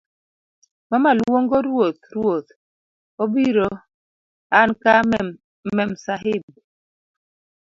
mama luongo ruoth ruoth. obiro anka Memsahib.